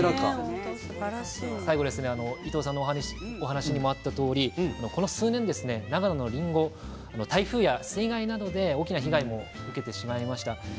伊藤さんのお話にあったように、この数年長野のりんご台風や水害などで大きな被害を受けてしまいました。